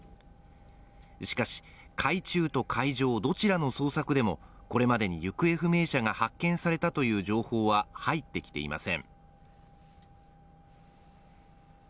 しかし、海中と海上どちらの捜索でもこれまでに行方不明者が発見されたという情報は入ってきていません。